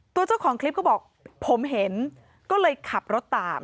เจ้าของคลิปก็บอกผมเห็นก็เลยขับรถตาม